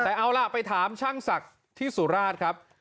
แต่เอาล่ะไปถามช่างศักดิ์ที่สุราชครับ